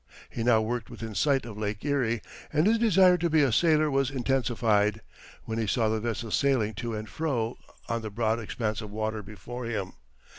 He now worked within sight of Lake Erie, and his desire to be a sailor was intensified when he saw the vessels sailing to and fro on the broad expanse of water before him.